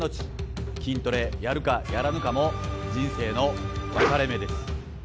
筋トレやるかやらぬかも人生の分かれ目です！